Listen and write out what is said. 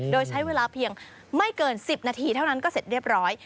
โดยใช้เวลาเพียงไม่เกิน๑๐นาทีเท่านั้นก็เสร็จเรียบร้อย